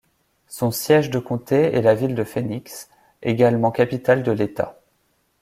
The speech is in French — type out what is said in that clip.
Son siège de comté est la ville de Phoenix, également capitale de l'État.